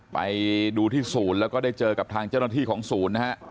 ไปดูที่ศูนย์แล้วก็ได้เจอกับทางเจ้าหน้าที่ของศูนย์นะฮะ